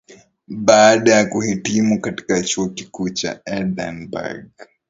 baada ya kuhitimu katika Chuo Kikuu cha Edinburgh